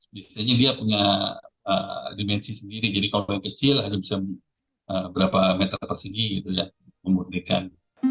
biasanya dia punya dimensi sendiri jadi kalau yang kecil hanya bisa beberapa meter persegi memudirkan